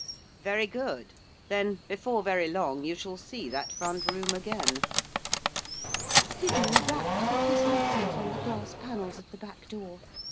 'Very good; then, before very long, you shall see that front room again.' Sydney rapped with his knuckles on the glass panels of the back door.